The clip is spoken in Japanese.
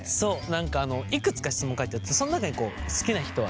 何かいくつか質問書いてあってそん中に「好きな人は？」